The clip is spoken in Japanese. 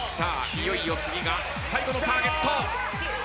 いよいよ次が最後のターゲット。